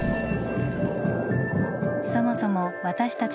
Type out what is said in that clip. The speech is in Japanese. そもそも私たち